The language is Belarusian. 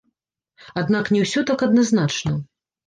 Аднак не ўсё так адназначна.